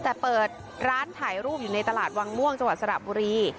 แต่เปิดร้านถ่ายรูปอยู่ในตลาดวังม่วงจังหวัดสระบุรี